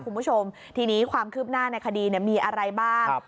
คุณผู้ชมทีนี้ความคืบหน้าในคดีมีอะไรบ้าง